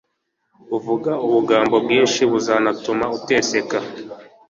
uvuga ubugambo bwinshi buzanatuma uteseka